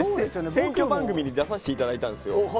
選挙番組に出させて頂いたんですよ。